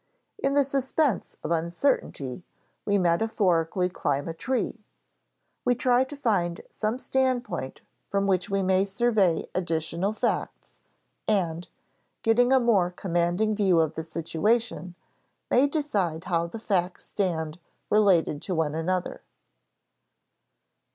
In the suspense of uncertainty, we metaphorically climb a tree; we try to find some standpoint from which we may survey additional facts and, getting a more commanding view of the situation, may decide how the facts stand related to one another.